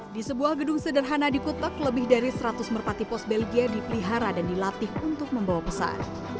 di sebuah gedung sederhana di kutek lebih dari seratus merpati pos belgia dipelihara dan dilatih untuk membawa pesan